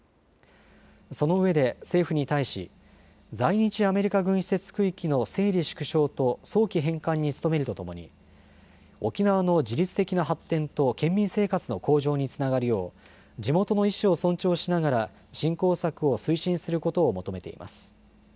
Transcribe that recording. そのうえで政府に対し在日アメリカ軍施設区域の整理縮小と早期返還に努めるとともに沖縄の自立的な発展と県民生活の向上につながるよう地元の意思を尊重しながら振興策を推進することを求めています。